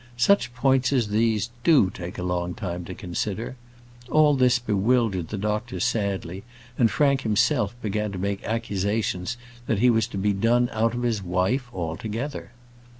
Such points as these do take a long time to consider. All this bewildered the doctor sadly, and Frank himself began to make accusations that he was to be done out of his wife altogether.